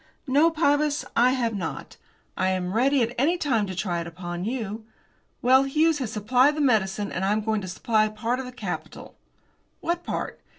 "No, Pybus, I have not. I am ready at any time to try it upon you. Well, Hughes has supplied the medicine, and I am going to supply part of the capital." "What part?"